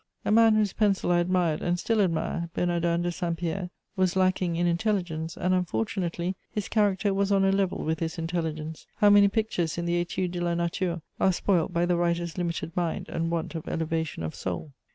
A man whose pencil I admired and still admire, Bernardin de Saint Pierre, was lacking in intelligence, and unfortunately his character was on a level with his intelligence. How many pictures in the Études de la nature are spoilt by the writer's limited mind and want of elevation of soul.